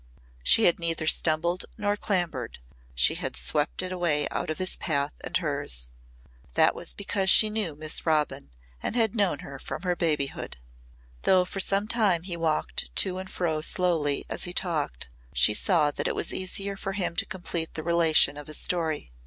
She had neither stumbled nor clambered, she had swept it away out of his path and hers. That was because she knew Miss Robin and had known her from her babyhood. Though for some time he walked to and fro slowly as he talked she saw that it was easier for him to complete the relation of his story.